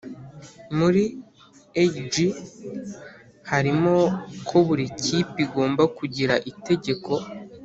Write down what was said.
muri A G harimo ko buri kipe igomba kugira itegeko